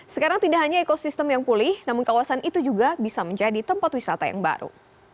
sekarang tidak hanya ekosistem yang pulih namun kawasan itu juga bisa menjadi tempat wisata yang baru